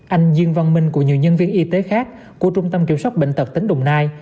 anh diên văn minh cùng nhiều nhân viên y tế khác của trung tâm kiểm soát bệnh tật tỉnh đồng nai